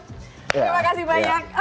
terima kasih banyak